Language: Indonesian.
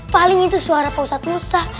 paling itu suara pausat musa